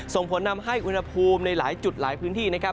ส่งผลทำให้อุณหภูมิในหลายจุดหลายพื้นที่นะครับ